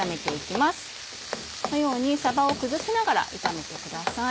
このようにさばを崩しながら炒めてください。